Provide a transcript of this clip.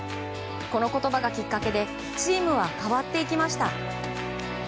この言葉がきっかけでチームは変わっていきました。